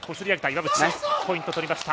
岩渕ポイント、とりました。